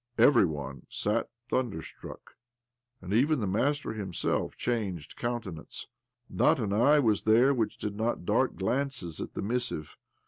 Every one sat thunder struck, and even the master himself changed countenance. Not an eye was there which did not dart glances at the missive.